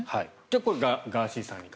これ、ガーシーさんの話。